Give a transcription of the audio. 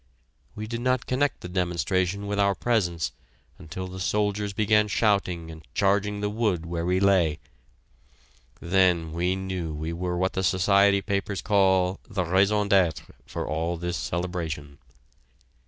We did not connect the demonstration with our presence until the soldiers began shouting and charging the wood where we lay. Then we knew we were what the society papers call the "raison d'être" for all this celebration.